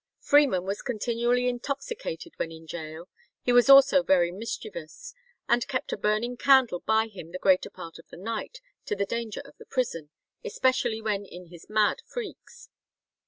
Freeman was continually intoxicated when in gaol. He was also very mischievous, and kept a burning candle by him the greater part of the night, to the danger of the prison, especially when in his mad freaks.